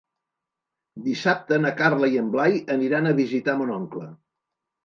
Dissabte na Carla i en Blai aniran a visitar mon oncle.